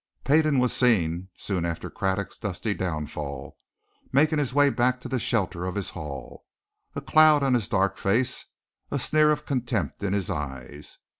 Peden was seen, soon after Craddock's dusty downfall, making his way back to the shelter of his hall, a cloud on his dark face, a sneer of contempt in his eyes.